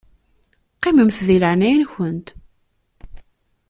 Qqimemt di leɛnaya-nkent.